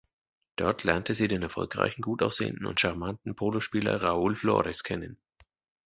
Dort lernt sie den erfolgreichen, gutaussehenden und charmanten Polospieler Raoul Flores kennen.